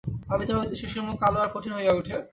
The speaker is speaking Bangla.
ভাবিতে ভাবিতে শশীর মুখ কালো আর কঠিন হইয়া ওঠে।